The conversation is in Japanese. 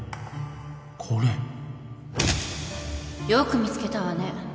よく見つけたわね